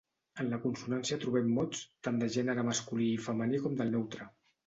En la consonàntica trobem mots tant de gènere masculí i femení com del neutre.